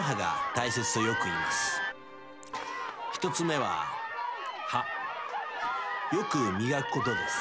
１つ目は「歯」よく磨くことです。